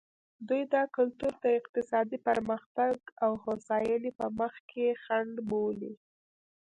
دوی دا کلتور د اقتصادي پرمختګ او هوساینې په مخ کې خنډ بولي.